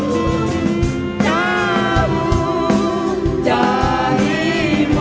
ku tak bisa jauh jauh darimu